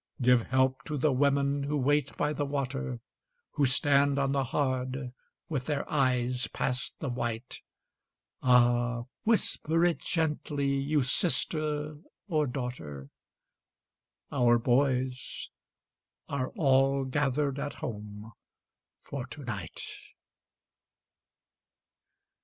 Give help to the women who wait by the water, Who stand on the Hard with their eyes past the Wight. Ah! whisper it gently, you sister or daughter, 'Our boys are all gathered at home for to night.